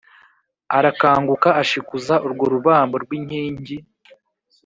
Arakanguka ashikuza urwo rubambo rw inkingi